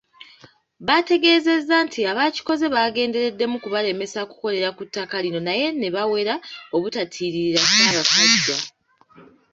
Baategezezza nti abaakikoze baagendereddemu kubalemesa kukolera ku ttaka lino naye nebawera obutatiirira Ssaabasajja.